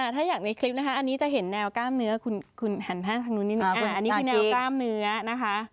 ถ้าอยากในคลิปนะคะอันนี้จะเห็นแนวกล้ามเนื้อคุณหันหน้าทางนู้นนิดนึงอันนี้คือแนวกล้ามเนื้อนะคะ